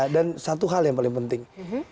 dan satu hal yang paling penting